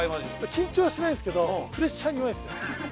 緊張はしてないですけどプレッシャーに弱いですね。